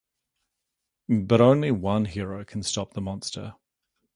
But only one hero can stop the monster.